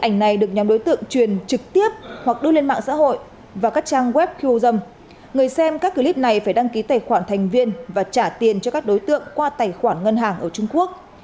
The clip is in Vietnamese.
các bạn có thể xem các clip này phải đăng ký tài khoản thành viên và trả tiền cho các đối tượng qua tài khoản ngân hàng ở trung quốc